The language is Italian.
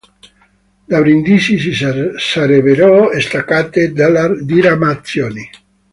Da Brindisi si sarebbero staccate delle diramazioni.